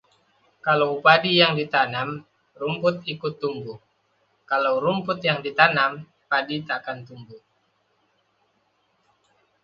Kalau padi yang ditanam, rumput ikut tumbuh; Kalau rumput yang ditanam, padi takkan tumbuh